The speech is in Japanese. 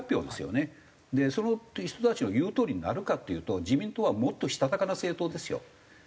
その人たちの言うとおりになるかっていうと自民党はもっとしたたかな政党ですよ。